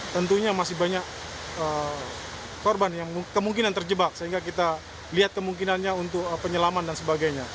tentunya masih banyak korban yang kemungkinan terjebak sehingga kita lihat kemungkinannya untuk penyelaman dan sebagainya